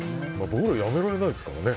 僕らは辞められないですからね